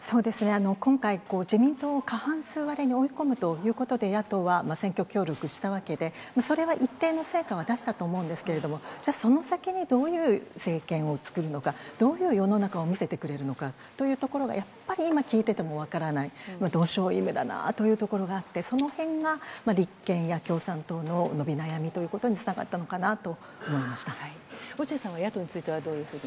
今回、自民党を過半数割れに追い込むということで、野党は選挙協力したわけで、それは一定の成果は出したと思うんですけれども、じゃあ、その先にどういう政権を作るのか、どういう世の中を見せてくれるのかというところがやっぱり、今聞いてても分からない、同床異夢だなというところがあって、そのへんが立憲や共産党の伸び悩みというところにつながったのか落合さんは野党については、どういうふうに？